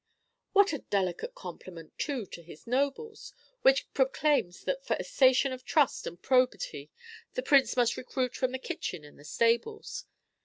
"What a delicate compliment, too, to his nobles, which proclaims that for a station of trust and probity the Prince must recruit from the kitchen and the stables.